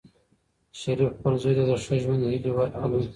شریف خپل زوی ته د ښه ژوند هیلې ورکوي.